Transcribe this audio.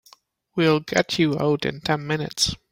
We'll get you out in ten minutes.